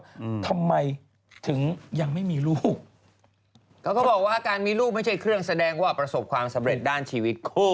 อืมทำไมถึงยังไม่มีลูกเขาก็บอกว่าการมีลูกไม่ใช่เครื่องแสดงว่าประสบความสำเร็จด้านชีวิตคู่